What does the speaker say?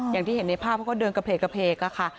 อย่างที่เห็นในภาพเขาก็เดินกระเพกค่ะ